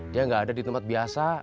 dia nggak ada di tempat biasa